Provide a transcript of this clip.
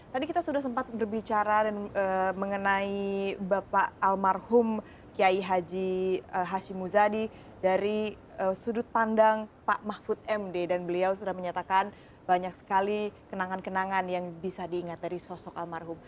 tadi kita sudah sempat berbicara mengenai bapak almarhum kiai haji hashim muzadi dari sudut pandang pak mahfud md dan beliau sudah menyatakan banyak sekali kenangan kenangan yang bisa diingat dari sosok almarhum